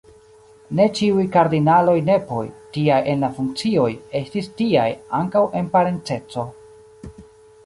Ne ĉiuj kardinaloj nepoj, tiaj en la funkcioj, estis tiaj ankaŭ en parenceco.